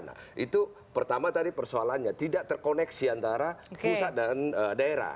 nah itu pertama tadi persoalannya tidak terkoneksi antara pusat dan daerah